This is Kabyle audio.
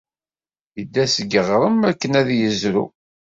Yedda seg yiɣrem akken ad yezrew.